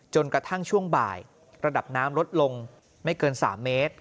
จนกระทั่งช่วงบ่ายระดับน้ำลดลงไม่เกิน๓เมตร